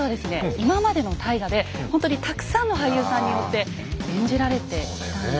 今までの大河でほんとにたくさんの俳優さんによって演じられてきたんですね。